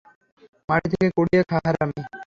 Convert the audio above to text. মাটি থেকে কুড়িয়ে খা, হারামি!